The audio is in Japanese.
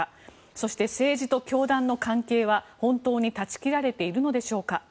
そして、政治と教団の関係は本当に断ち切られているのでしょうか。